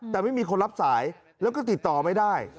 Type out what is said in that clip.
แต่ไม่มีคนรับสายแล้วก็ติดต่อไม่ได้